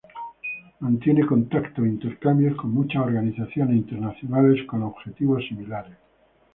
Mantiene contacto e intercambios con muchas organizaciones internacionales con objetivos similares.